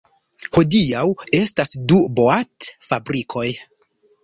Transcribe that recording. Hodiaŭ estas du boat-fabrikoj.